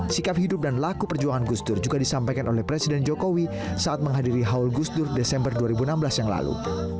sikap hidup dan laku perjuangan gus dur juga disampaikan oleh presiden jokowi saat menghadiri haul gusdur desember dua ribu enam belas yang lalu